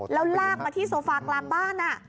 แล้วลากมาที่โซฟากลางบ้าน